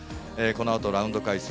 このあとラウンド解説